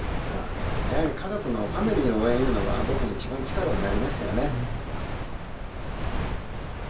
やはり家族のファミリーの応援いうのが僕の一番力になりましたよね。